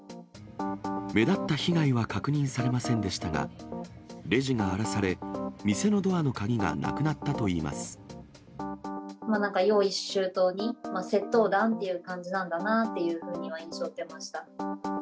目立った被害は確認されませんでしたが、レジが荒らされ、店のドアの鍵がなくなったといいなんか用意周到に、窃盗団っていう感じなんだなっていう印象は受けました。